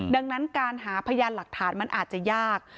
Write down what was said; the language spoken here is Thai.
ดังนั้นการหาพยานหลักฐานมันอาจจะยาก